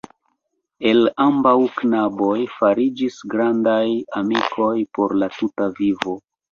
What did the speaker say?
El ambaŭ knaboj fariĝis grandaj amikoj por la tuta vivo.